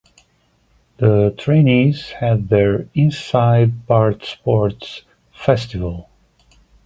The trainees had their Inside Part Sports festival.